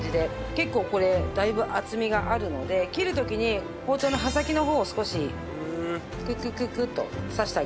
結構これだいぶ厚みがあるので切る時に包丁の刃先の方を少しクックックックッと刺してあげて。